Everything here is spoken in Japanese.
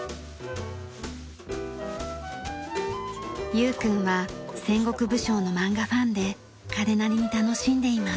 有君は戦国武将の漫画ファンで彼なりに楽しんでいます。